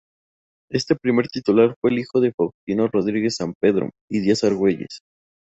Este primer titular fue hijo de Faustino Rodríguez San Pedro y Díaz Argüelles.